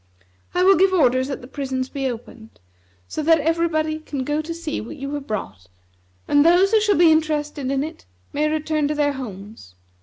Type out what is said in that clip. I will give orders that the prisons be opened, so that everybody can go to see what you have brought; and those who shall be interested in it may return to their homes.